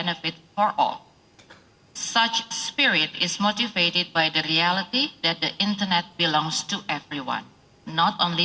keadaan seperti ini dimotivasi oleh kebenaran bahwa internet terdiri dari semua orang